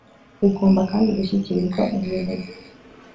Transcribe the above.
rigomba kandi gushyikirizwa ubuyobozi